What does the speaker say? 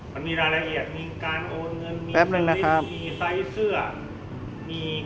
ให้ใหม่มาแล้วเก็บให้ผมให้บุตรผมรวยเมื่อไหร่นะ